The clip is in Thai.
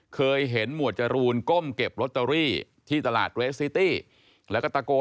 เจ๊บ้าบิลคือแม้ค้าขายสลากกินแบบรัฐบาล